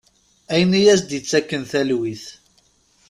Ayen i as-d-ittaken talwit.